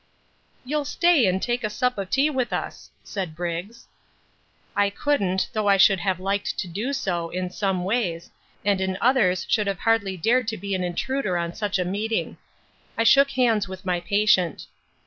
"You'll stay an' take a sup of tea with us," said Briggs. I couldn't, though I should have liked to do so, in some ways, and in others should have hardly dared to be an intruder on such a meeting. I shook hands with my patient.